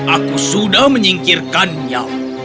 aku sudah menyingkirkannya